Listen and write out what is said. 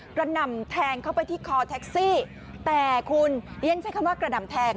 หน่ำแทงเข้าไปที่คอแท็กซี่แต่คุณเรียนใช้คำว่ากระหน่ำแทง